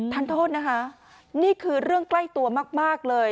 ท่านโทษนะคะนี่คือเรื่องใกล้ตัวมากเลย